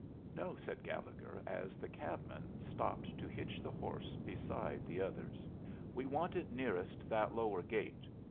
"No," said Gallegher, as the cabman stopped to hitch the horse beside the others, "we want it nearest that lower gate.